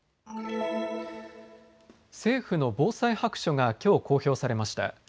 政府の防災白書がきょう公表されました。